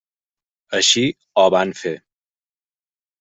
Així o van fer.